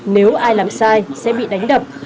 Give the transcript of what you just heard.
nếu ai làm sai sẽ bị đánh đập